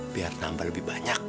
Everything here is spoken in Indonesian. biar tambah lebih banyak